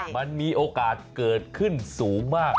มันมีโอกาสเกิดขึ้นสูงมาก